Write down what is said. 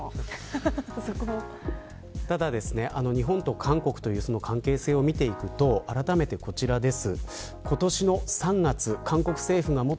ただ、日本と韓国の関係性を見ていくとあらためてこちらです。